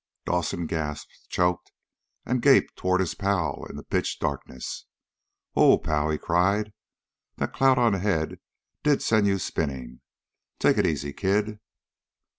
Dawson gasped, choked, and gaped toward his pal in the pitch darkness. "Whoa, pal!" he cried. "That clout on the head did send you spinning. Take it easy, kid!"